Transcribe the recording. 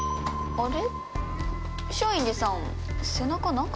あれ？